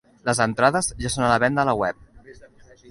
Les entrades ja són a la venda a la web.